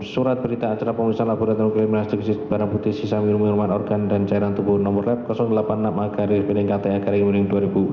surat berita acara pengurusan laboratorium keliminasi kebarang putih sisamil menghormat organ dan cairan tubuh nomor lab delapan puluh enam a karir peninggaltai agarimuning dua ribu enam belas